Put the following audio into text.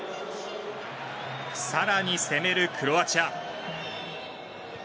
更に攻めるクロアチア。